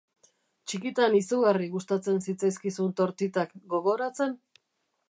Txikitan izugarri gustatzen zitzaizkizun tortitak, gogoratzen?